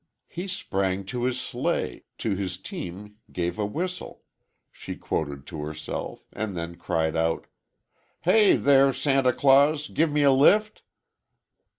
"He sprang to his sleigh,—to his team gave a whistle,—" she quoted to herself, and then cried out, "Hey, there, Santa Claus, give me a lift?"